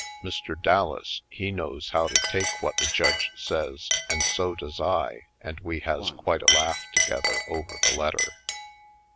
Mr. Dallas he knows how to take what the Judge says and so does I and we has quite a laugh together over the letter.